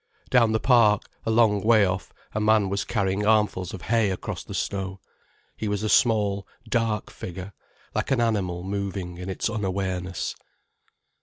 Down the park, a long way off, a man was carrying armfuls of hay across the snow. He was a small, dark figure, like an animal moving in its unawareness.